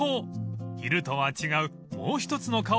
［昼とは違うもう一つの顔。